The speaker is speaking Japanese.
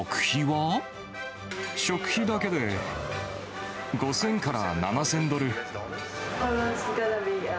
食費だけで５０００から７０００ドル。